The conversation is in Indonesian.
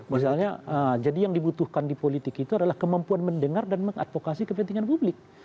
misalnya jadi yang dibutuhkan di politik itu adalah kemampuan mendengar dan mengadvokasi kepentingan publik